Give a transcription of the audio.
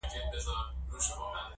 • ټولنه د اصلاح اړتيا لري ډېر,